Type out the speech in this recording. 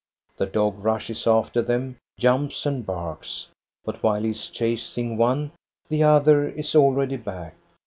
The dog rushes after them, jumps, and barks. But while he is chasing one, the other is already back.